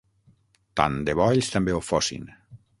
Tant de bo ells també ho fossin